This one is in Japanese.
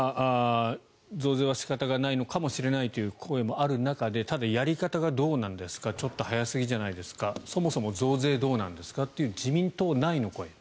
増税は仕方がないのかもしれないという声もある中でただ、やり方がどうなんですかちょっと早すぎじゃないですかそもそも増税どうなんですかという自民党内の声。